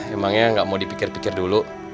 emangnya nggak mau dipikir pikir dulu